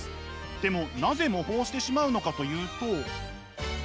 でもなぜ模倣してしまうのかというと。